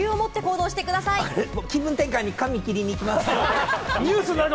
気分転換に髪切りに行きます。